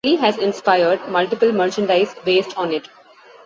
Tillie has inspired multiple merchandise based on it.